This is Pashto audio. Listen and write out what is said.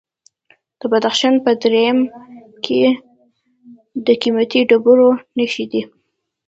د بدخشان په درایم کې د قیمتي ډبرو نښې دي.